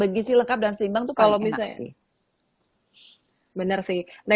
begisi lengkap dan seimbang itu paling enak